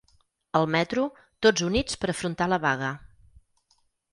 Al metro, tots units per afrontar la vaga.